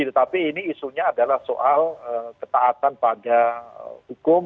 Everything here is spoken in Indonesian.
tetapi ini isunya adalah soal ketaatan pada hukum